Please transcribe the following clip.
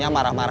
padahal ga ada